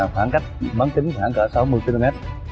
khoảng cách bắn tính khoảng cỡ sáu mươi km